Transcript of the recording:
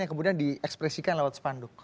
yang kemudian diekspresikan lewat spanduk